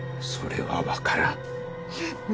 それはわからん。